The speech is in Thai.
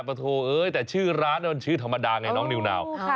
โทเอ้ยแต่ชื่อร้านมันชื่อธรรมดาไงน้องนิวนาว